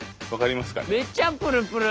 めっちゃプルプル！